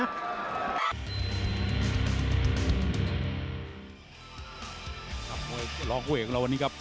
รองกับกลุ่มเอกของเราวันนี้ครับ